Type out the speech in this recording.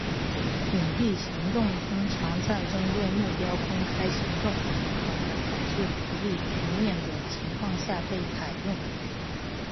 隐蔽行动通常在针对目标公开行动可能导致不利局面的情况下被采用。